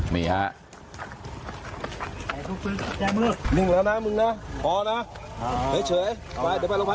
นี่ครับ